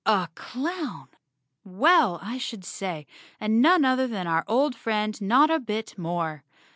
A clown! Well, I should say— and none other than our old friend Notta Bit More.